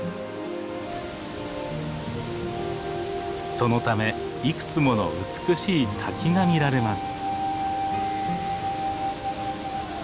そのためいくつもの美しい滝が見られます。